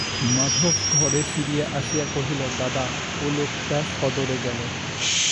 মাধব ঘরে ফিরিয়া আসিয়া কহিল, দাদা, ও লোকটা সদরে গেল।